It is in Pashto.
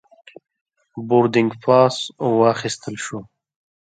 بوردینګ پاس واخیستل شو.